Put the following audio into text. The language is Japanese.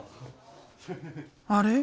あれ？